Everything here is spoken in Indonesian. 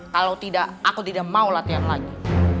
kalau tidak aku tidak mau latihan lagi